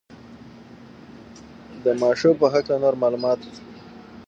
د ماشو په هکله نور معلومات.